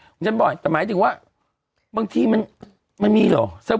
มีฉันบ่อยแต่หมายถึงว่าบางทีมันมันมีหรอ